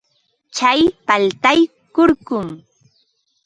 Tsay paltay kurkum.